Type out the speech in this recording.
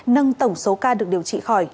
nâng tổng số ca được điều trị khỏi